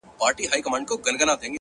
• هغه د هر مسجد و څنگ ته ميکدې جوړي کړې؛